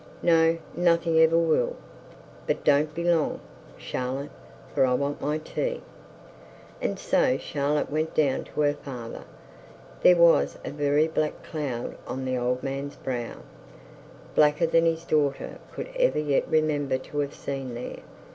'No; nothing ever will. But don't be long, Charlotte, for I want my tea.' And so Charlotte went down to her father. There was a very black cloud on the old man's brow; blacker than his daughter could ever remember to have seen there.